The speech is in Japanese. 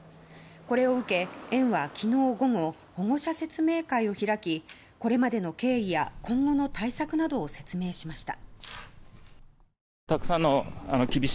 これを受け、園は昨日午後保護者説明会を開きこれまでの経緯や今後の対策などを説明しました。